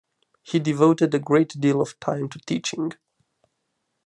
He devoted a great deal of time to teaching.